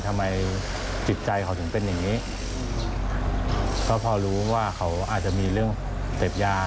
ทำไมจิตใจเขาถึงเป็นอย่างงี้ก็พอรู้ว่าเขาอาจจะมีเรื่องเสพยา